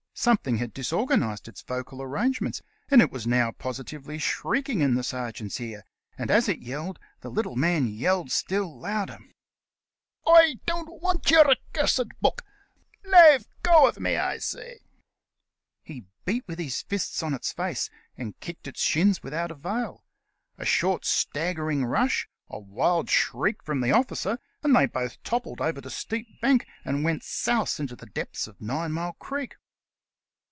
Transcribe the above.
Something had disorganised its vocal arrangements, and it was now positively shrieking in the ser geant's ear, and, as it yelled, the little man yelled still louder. "Oi don't want yer accursed book. Lave go uv me, Oi say!" He beat with his fists on its face, and kicked its shins without avail. A short, staggering rush, a wild shriek from the officer, and they both toppled over the steep bank and went souse into the depths of Ninemile Creek.